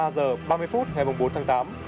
ba h ba mươi phút ngày bốn tháng tám